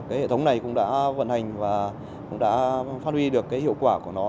hệ thống này cũng đã vận hành và cũng đã phát huy được hiệu quả của nó